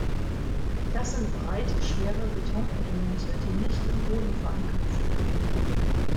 Das sind breite, schwere Betonelemente, die nicht im Boden verankert sind.